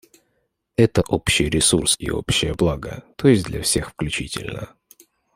Это общий ресурс и общее благо, т.е. для всех включительно.